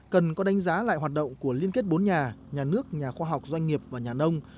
cần có đánh giá lại hoạt động của liên kết bốn nhà nhà nước nhà khoa học doanh nghiệp và nhà nông